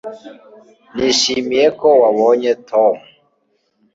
nishimiye ko wabonye tom